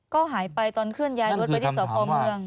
ก็หายไปตอนเคลื่อนย้ายรถไปที่สพเมือง